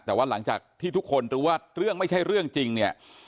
แต่ว่าหลังจากที่ทุกคนรู้ว่าเรื่องไม่ใช่เรื่องจริงเนี่ย